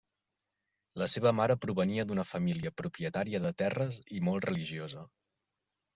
La seva mare provenia d'una família propietària de terres i molt religiosa.